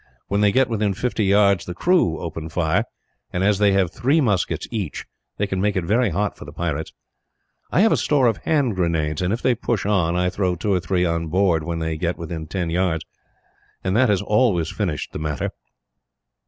When they get within fifty yards, the crew open fire and, as they have three muskets each, they can make it very hot for the pirates. I have a store of hand grenades and, if they push on, I throw two or three on board when they get within ten yards; and that has always finished the matter.